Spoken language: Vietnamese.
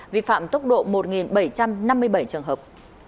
vi phạm tốc độ một bảy trăm năm mươi bảy trường hợp